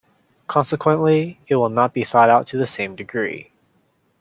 Consequently, it will not be thought out to the same degree.